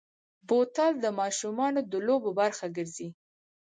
بوتل د ماشومو د لوبو برخه ګرځي.